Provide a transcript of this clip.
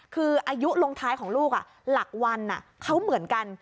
คืออายุลงท้ายของลูกหลักวันเขาเหมือนกัน